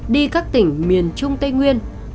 với các tỉnh miền trung tây nguyên